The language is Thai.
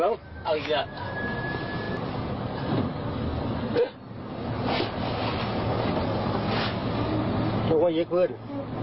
เอาอีกเดี๋ยว